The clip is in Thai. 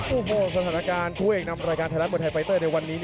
โธ่โฮนสถานการณ์ผู้ให้นำรายการไทยรัฐบทไฟเตอร์ในวันนี้